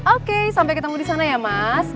oke sampai ketemu di sana ya mas